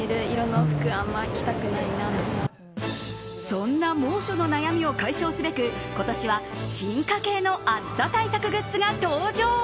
そんな猛暑の悩みを解消すべく今年尾は進化形の暑さ対策グッズが登場。